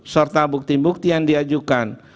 serta bukti bukti yang diajukan